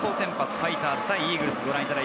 ファイターズ対イーグルスです。